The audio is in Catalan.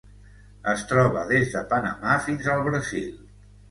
Es troba des de Panamà fins al Brasil.